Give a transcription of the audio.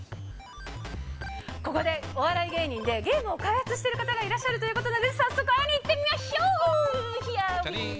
ここでお笑い芸人で、ゲームを開発している方がいらっしゃるということなので、早速会いに行ってみましょう。